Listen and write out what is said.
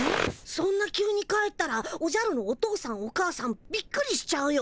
そんな急に帰ったらおじゃるのお父さんお母さんびっくりしちゃうよ。